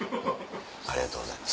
ありがとうございます。